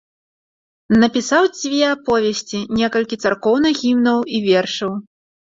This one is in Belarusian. Напісаў дзве аповесці, некалькі царкоўных гімнаў і вершаў.